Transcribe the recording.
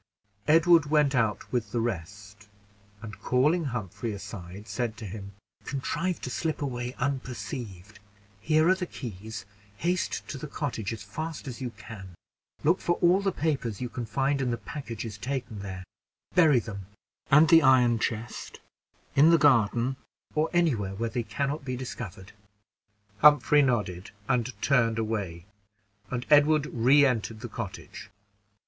Edward went out with the rest, and, calling Humphrey aside, said to him, "Contrive to slip away unperceived; here are the keys; haste to the cottage as fast as you can; look for all tho papers you can find in the packages taken there; bury them and the iron chest in the garden, or anywhere where they can not be discovered." Humphrey nodded and turned away, and Edward re entered the cottage.